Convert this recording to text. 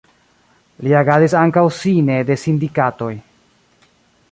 Li agadis ankaŭ sine de sindikatoj.